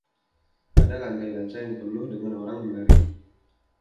Ada lantai dansa yang penuh dengan orang menari.